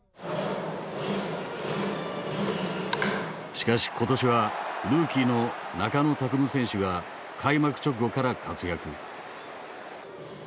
しかし今年はルーキーの中野拓夢選手が開幕直後から活躍。